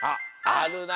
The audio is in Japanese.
あるな。